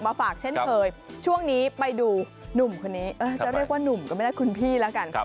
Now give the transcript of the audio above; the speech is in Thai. ฝากเช่นเคยช่วงนี้ไปดูหนุ่มคนนี้จะเรียกว่าหนุ่มก็ไม่ได้คุณพี่แล้วกัน